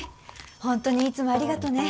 ホントにいつもありがとね